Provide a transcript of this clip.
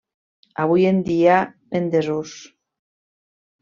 Avui en dia en desús.